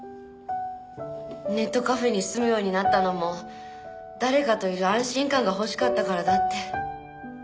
ネットカフェに住むようになったのも誰かといる安心感が欲しかったからだって。